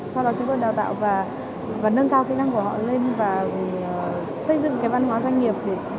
sau đó chúng tôi đào tạo và nâng cao kỹ năng của họ lên và xây dựng cái văn hóa doanh nghiệp